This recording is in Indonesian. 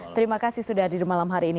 terima kasih sudah hadir